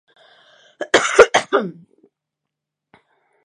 Beraz, bozkatu zuen talde gustukoenen alde, berandu baino lehen.